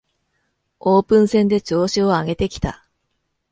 オープン戦で調子を上げてきた